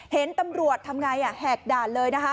เห็นตำรวจทำไงแหกด่านเลยนะคะ